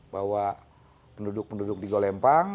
bahwa penduduk penduduk di golempang